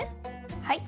はい。